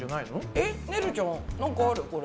えっねるちゃん何かある？